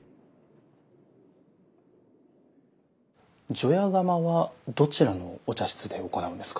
除夜釜はどちらのお茶室で行うんですか。